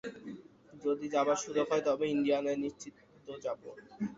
যদি যাবার সুযোগ হয়, তবে ইণ্ডিয়ানায় নিশ্চিত যাব।